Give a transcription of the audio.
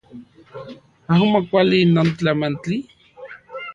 Amo kuali non tlamantli